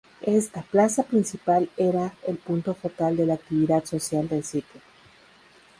Esta "Plaza Principal" era el punto focal de la actividad social del sitio.